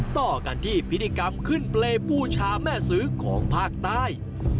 ต่อกันที่พิธีกรรมขึ้นเปรย์บูชาแม่ซื้อของภาคใต้